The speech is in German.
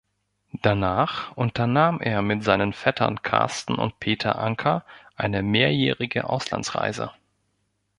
Danach unternahm er mit seinen Vettern Carsten und Peter Anker eine mehrjährige Auslandsreise.